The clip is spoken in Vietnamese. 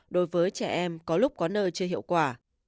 đối với trẻ em có lúc có nơi chưa hiệu quả